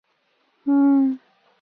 维莱欧讷人口变化图示